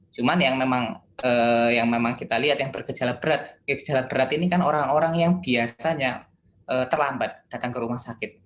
cuman yang memang kita lihat yang bergejala berat gejala berat ini kan orang orang yang biasanya terlambat datang ke rumah sakit